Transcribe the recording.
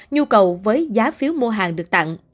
nhu cầu với giá phiếu mua